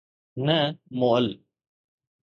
نه مئل